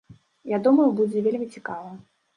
Я думаю, будзе вельмі цікава.